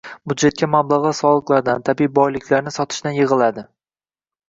Byudjetga mablag‘lar soliqlardan, tabiiy boyliklarni sotishdan yig‘iladi.